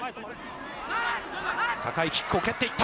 高いキックを蹴っていった。